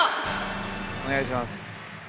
お願いします。